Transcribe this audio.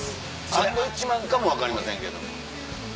サンドウィッチマンかも分かりませんけど。